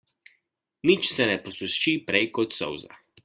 Nič se ne posuši prej kot solza.